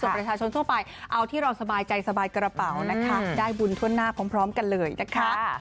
ประชาชนทั่วไปเอาที่เราสบายใจสบายกระเป๋านะคะได้บุญทั่วหน้าพร้อมกันเลยนะคะ